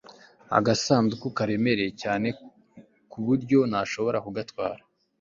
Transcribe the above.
agasanduku karemereye cyane ku buryo ntashobora gutwara